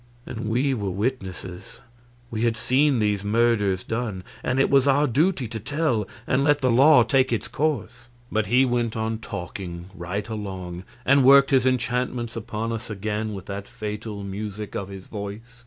And we were witnesses; we had seen these murders done and it was our duty to tell, and let the law take its course. But he went on talking right along, and worked his enchantments upon us again with that fatal music of his voice.